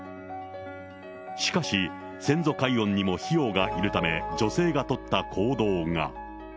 しかし、先祖解怨にも費用がいるため、女性が取った行動が。